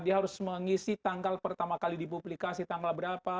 dia harus mengisi tanggal pertama kali dipublikasi tanggal berapa